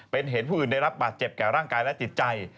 เป็นเหตุผู้อื่นได้รับบาดเจ็บแก่ร่างกายและจิตใจ